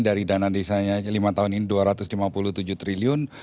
dari dana desanya lima tahun ini dua ratus lima puluh tujuh triliun